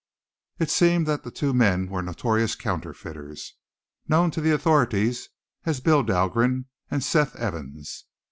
It seemed that the two men were notorious counterfeiters, known to the authorities as Bill Dalgren and Seth Evans.